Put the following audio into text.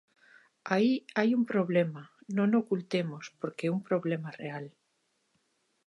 Aí hai un problema non o ocultemos porque é un problema real.